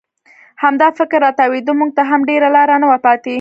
همدا فکر را تاوېده، موږ ته هم ډېره لاره نه وه پاتې.